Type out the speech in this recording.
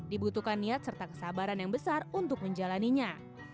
dibutuhkan niat serta kesabaran yang besar untuk menjalaninya